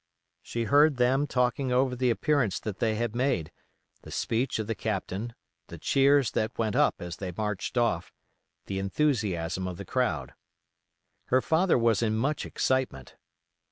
She heard them talking over the appearance that they had made; the speech of the captain; the cheers that went up as they marched off—the enthusiasm of the crowd. Her father was in much excitement.